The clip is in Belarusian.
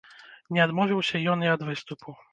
Не адмовіўся ён і ад выступу.